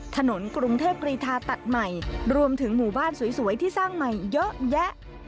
ถนนกรุงเทพกรีธาตัดใหม่รวมถึงหมู่บ้านสวยที่สร้างใหม่เยอะแยะ